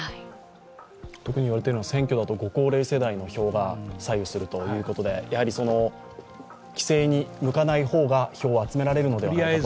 特に言われているのが選挙だとご高齢世代の票に左右するということで、規制にむかない方が票を集められるのではないかと。